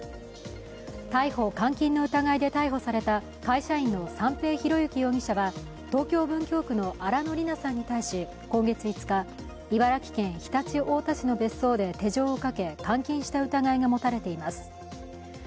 逮捕・監禁の疑いで逮捕された会社員の三瓶博幸容疑者は東京・文京区の新野りなさんに対し今月５日、茨城県常陸太田市の別荘で手錠をかけ監禁した疑いが持たれています。